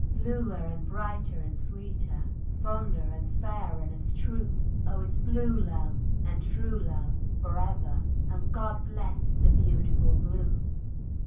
Bluer and brighter and sweeter, Fonder and fair and as true; Oh it's blue love and true love for ever! And God bless the beautiful blue!